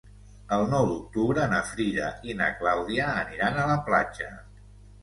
El nou d'octubre na Frida i na Clàudia aniran a la platja.